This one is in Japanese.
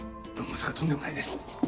まさかとんでもないです。